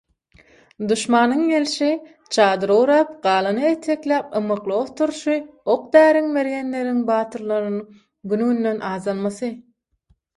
Duşmanyň gelşi, çadyr gurap, galany etekläp ymykly oturşy, ok-däriň, mergenleriň, batyrlaryň güngünden azalmasy